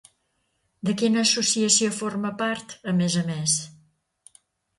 De quina associació forma part a més a més?